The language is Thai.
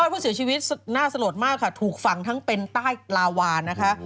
ผู้เสียชีวิตน่าสลดมากค่ะถูกฝังทั้งเป็นใต้ลาวานะคะ